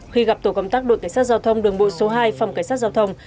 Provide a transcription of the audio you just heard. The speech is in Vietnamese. khi gặp tổ công tác đội cảnh sát giao thông đường bộ số hai phòng cảnh sát giao thông